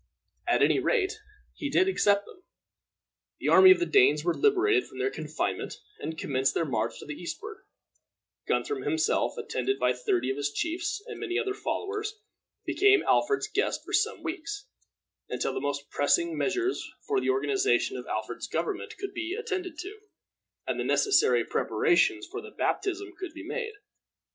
At any rate, he did accept them. The army of the Danes were liberated from their confinement, and commenced their march to the eastward; Guthrum himself, attended by thirty of his chiefs and many other followers, became Alfred's guest for some weeks, until the most pressing measures for the organization of Alfred's government could be attended to, and the necessary preparations for the baptism could be made.